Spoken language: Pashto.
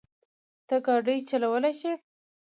ته ګاډی چلولی شې؟